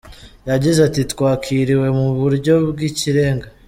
Yagize ati “Twakiriwe mu buryo bw’ikirenga.